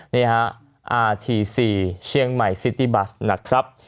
นี่ฮะอาที๔เชียงใหม่ซิตี้บัสนะครับ